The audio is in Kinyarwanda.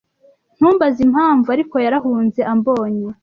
Ntumbaze impamvu ariko, yarahunze ambonye.